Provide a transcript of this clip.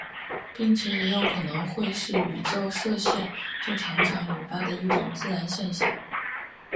并且也很可能会是宇宙射线就常常引发的一种自然现象。